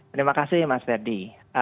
terima kasih mas dedy